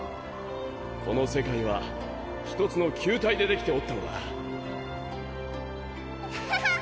この世界はひとつの球体でできておったのだははっ！